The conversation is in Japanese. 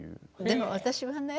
でも私はね